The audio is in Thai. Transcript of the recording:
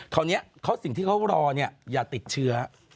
คราวนี้เขาสิ่งที่เขารออย่าติดเชื้อ